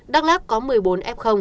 đắk lắc có một mươi bốn f